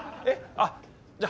あっじゃあ